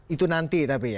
itu nanti tapi ya